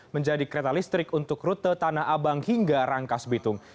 menjadi kereta listrik untuk rute tanah abang hingga rangkas bitung